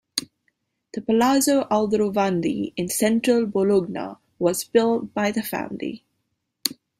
The Palazzo Aldrovandi in central Bologna was built by the family.